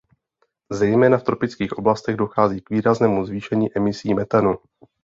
Zejména v tropických oblastech dochází k výraznému zvýšení emisí metanu.